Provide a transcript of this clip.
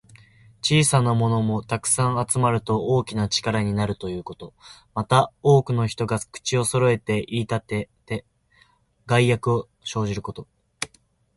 小さなものも、たくさん集まると大きな力になるということ。また、多くの人が口をそろえて言いたてて、害悪を生じること。